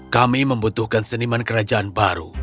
kami membutuhkan seniman kerajaan baru